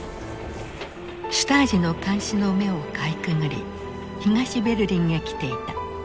シュタージの監視の目をかいくぐり東ベルリンへ来ていた。